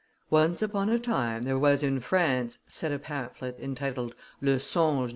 "Once upon a time there was in France," said a ,pamphlet, entitled _Le Songe de M.